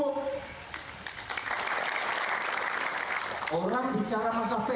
orang bicara masalah pki bangkit komunis bangkit